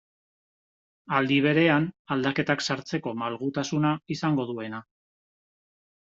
Aldi berean, aldaketak sartzeko malgutasuna izango duena.